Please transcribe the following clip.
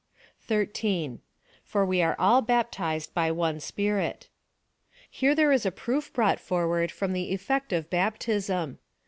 13. For lue are all baptized by one Spirit. Here there is a proof brought forward from the effect of baptism.